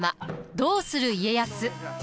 「どうする家康」。